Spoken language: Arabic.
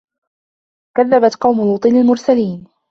كَذَّبَت قَومُ لوطٍ المُرسَلينَ